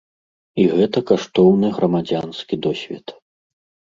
І гэта каштоўны грамадзянскі досвед.